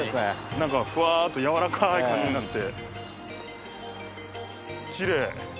なんかふわっとやわらかい感じになって。